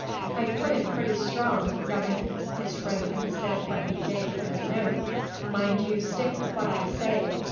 "I put it pretty strong, young un," his friend had said when he gave him the note; "mind you stick to what I say."